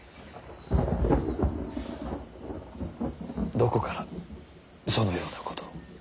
どこからそのようなことを。